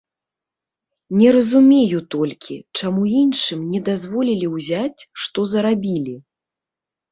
Не разумею толькі, чаму іншым не дазволілі ўзяць, што зарабілі.